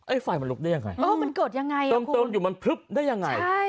ไอ้ไฟล์มันลุกได้ยังไง